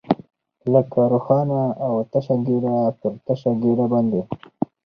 لکه روښانه او تشه ګېډه، پر تشه ګېډه باندې.